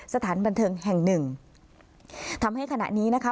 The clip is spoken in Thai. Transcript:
สถานบันเทิงแห่งหนึ่งทำให้ขณะนี้นะคะ